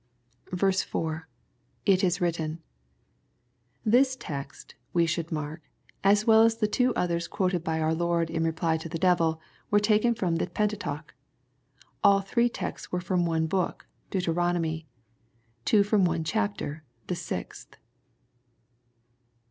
4. — [It is writUn,] This text^ we should mark, as well as the two oUiers quoted by our Lord in reply to the devil, were taken from the Pentateuch. All three texts were from one book, Deuterono my, — ^and two from one chapter, the sixth.